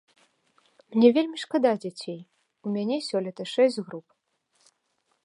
Мне вельмі шкада дзяцей, у мяне сёлета шэсць груп.